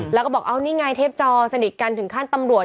แล้วก็บอกเอานี่ไงเทพจอสนิทกันถึงขั้นตำรวจ